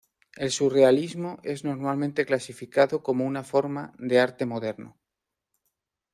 El Surrealismo es normalmente clasificado como una forma de arte moderno.